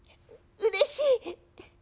うれしい！